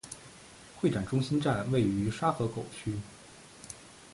会展中心站位于沙河口区。